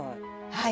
はい。